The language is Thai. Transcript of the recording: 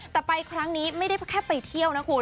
แต่ไปครั้งนี้ไม่ได้แค่ไปเที่ยวนะคุณ